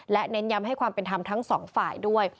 และเน้นย้ำให้ความเป็นธรรมทั้งสองฝ่ายด้วย